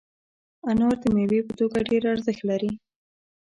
انار د میوې په توګه ډېر ارزښت لري.